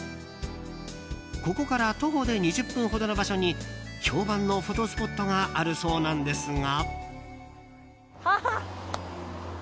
ここから徒歩で２０分ほどの場所に評判のフォトスポットがあるそうなんですが。